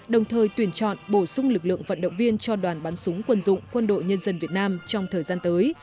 đồng thời tuyển chọn bổ sung lực lượng vận động viên cho đoàn bắn súng quân dụng quân đội nhân dân việt nam trong thời gian tới